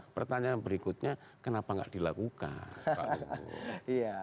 pertanyaan berikutnya kenapa gak dilakukan pak luhut